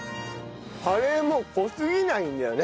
カレーも濃すぎないんだよね。